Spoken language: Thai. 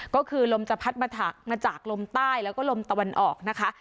ก็คือลมจะพัดมาจากลมใต้แล้วก็ลมตะวันออกนะคะ